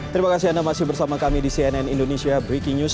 terima kasih anda masih bersama kami di cnn indonesia breaking news